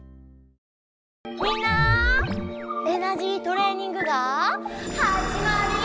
みんなエナジートレーニングがはじまるよ！